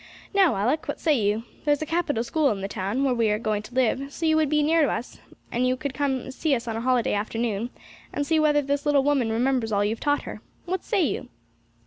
Now, Alick, what say you? There's a capital school in the town where we are going to live, so you would be near us and you could come to see us on holiday afternoons, and see whether this little woman remembers all you have taught her. What say you?'